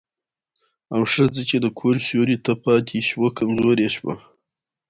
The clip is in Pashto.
او ښځه چې د کور سيوري ته پاتې شوه، کمزورې شوه.